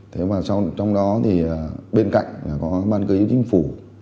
thế mà trong đó thì bên cạnh là có ban ký chính phủ